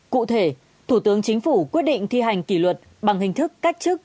cụ thể thủ tướng chính phủ quyết định thi hành kỷ luật bằng hình thức cách chức